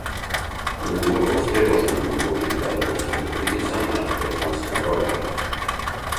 Мы глубоко встревожены глубоким продовольственным кризисом на Африканском Роге.